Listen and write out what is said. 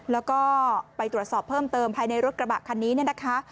แล้วก็ไปตรวจสอบเพิ่มเติมภายในรถกระบะคันนี้เนี่ยนะคะ